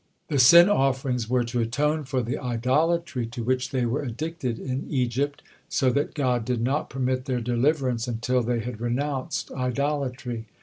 The sin offerings were to atone for the idolatry to which they were addicted in Egypt, so that God did not permit their deliverance until they had renounced idolatry.